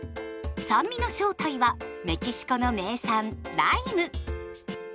酸味の正体はメキシコの名産ライム。